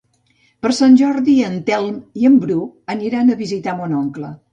Per Sant Jordi en Telm i en Bru aniran a visitar mon oncle.